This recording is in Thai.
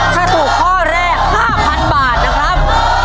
ถ้าถูกข้อแรก๕๐๐๐บาทนะครับ